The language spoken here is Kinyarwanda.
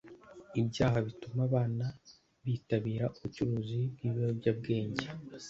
ibyaha bituma abana bitabira ubucuruzi bw'ibiyobyabwenge